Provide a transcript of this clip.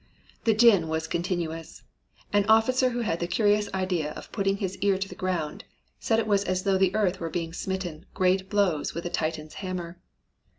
"The din was continuous. An officer who had the curious idea of putting his ear to the ground said it was as though the earth were being smitten great blows with a Titan's hammer.